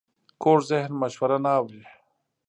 کوږ ذهن مشوره نه اوري